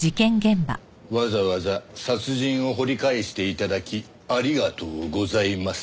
わざわざ殺人を掘り返して頂きありがとうございます。